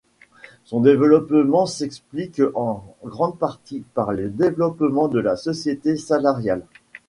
Son développement s'explique en grande partie par le développement de la société salariale.